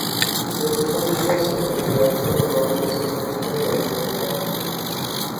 فہ تس سمجھی نیا سکنے کہ اجکل نی ناویں نسل کہہ کرنی بنانی